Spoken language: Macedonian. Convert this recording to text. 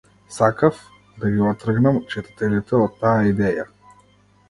Сакаав да ги оттргнам читателите од таа идеја.